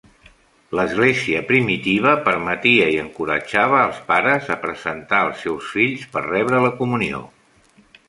L'Església primitiva permetia i encoratjava els pares a presentar als seus fills per rebre la comunió.